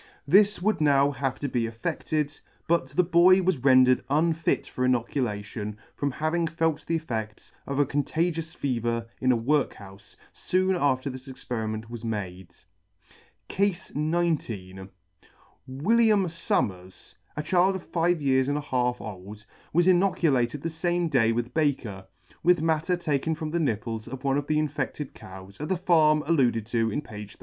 This* would now have been effedled, but the boy was rendered unfit for inoculation from having felt the effects of a contagious fever in a work houfe, foon after this experiment was made. CASE XIX. WILLIAM SUMMERS, a child of five years and a half old, was inoculated the fame day with Baker, with matter taken from the nipples of one of the infedted cows, at the farm alluded to in page 32.